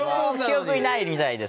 記憶にないみたいです。